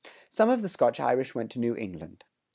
[103:3] Some of the Scotch Irish went to New England.